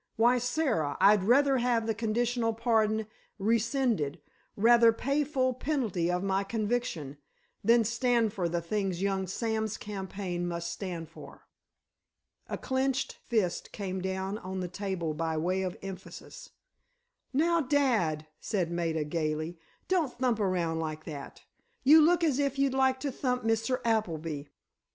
"Why, Sara, I'd rather have the conditional pardon rescinded, rather pay full penalty of my conviction, than stand for the things young Sam's campaign must stand for!" A clenched fist came down on the table by way of emphasis. "Now, dad," said Maida, gaily, "don't thump around like that! You look as if you'd like to thump Mr. Appleby!"